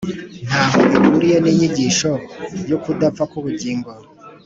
nta ho ihuriye n’inyigisho y’ukudapfa k’ubugingo.